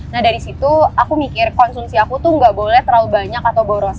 nah dari situ aku mikir konsumsi aku tuh gak boleh terlalu banyak atau boros